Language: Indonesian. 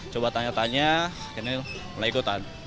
coba tanya tanya akhirnya mulai ikutan